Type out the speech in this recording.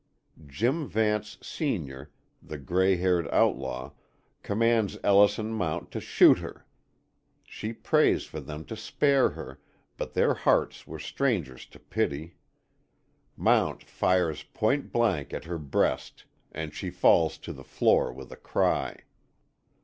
Jim Vance, Sr., the grey haired outlaw, commands Ellison Mount to shoot her. She prays for them to spare her, but their hearts were strangers to pity. Mount fires point blank at her breast and she falls to the floor with a cry.